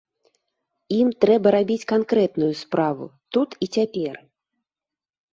Ім трэба рабіць канкрэтную справу тут і цяпер.